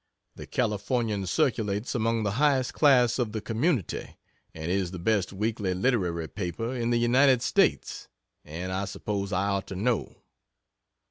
The "Californian" circulates among the highest class of the community, and is the best weekly literary paper in the United States and I suppose I ought to know.